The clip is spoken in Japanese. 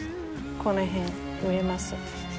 この辺植えます。